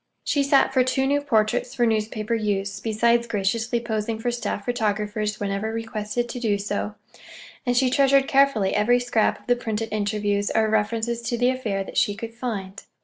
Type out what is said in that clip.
She sat for two new portraits for newspaper use, besides graciously posing for staff photographers whenever requested to do so; and she treasured carefully every scrap of the printed interviews or references to the affair that she could find.